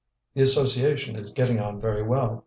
"The association is getting on very well.